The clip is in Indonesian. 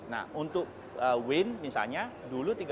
nah untuk win misalnya dulu tiga belas saint